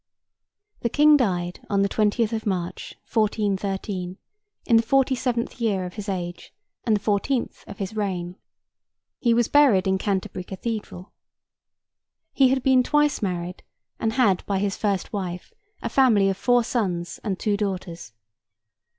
The King died on the 20th of March, 1413, in the forty seventh year of his age, and the fourteenth of his reign. He was buried in Canterbury Cathedral. He had been twice married, and had, by his first wife, a family of four sons and two daughters.